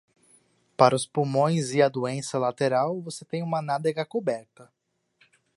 Para os pulmões e a doença lateral, você tem uma nádega coberta.